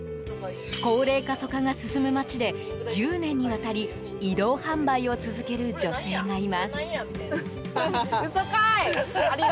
高齢過疎化が進む町で１０年にわたり移動販売を続ける女性がいます。